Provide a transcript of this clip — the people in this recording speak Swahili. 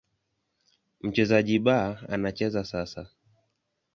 Mchezaji B anacheza sasa.